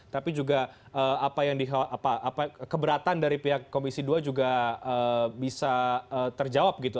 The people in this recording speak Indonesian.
tapi juga keberatan dari pihak komisi dua juga bisa terjawab gitu